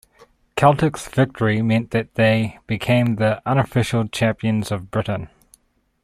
Celtic's victory meant that they became the unofficial champions of Britain.